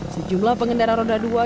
sejumlah pengendara roda dua